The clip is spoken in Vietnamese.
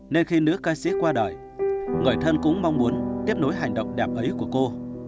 nên khi nữ ca sĩ qua đời người thân cũng mong muốn tiếp nối hành động đẹp ấy của cô